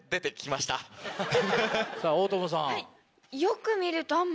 さぁ大友さん。